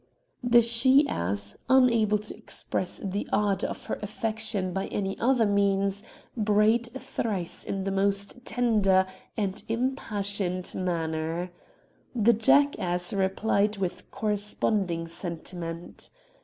The she ass, unable to express the ardour of her affection by any other means, brayed thrice in the most tender and impassioned manner. The jackass replied with corresponding sentiment.